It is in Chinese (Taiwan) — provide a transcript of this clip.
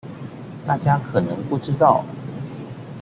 大家可能不知道